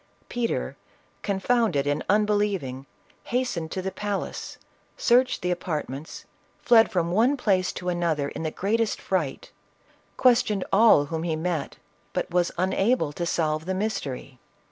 Peter, confounded and unbelieving, has tened to the palace, searched the apartments, fled from 406 CATHERINE OF RUSSIA. one place to another in the greatest fright, questioned all whom he met, but was unable to solve the mystery.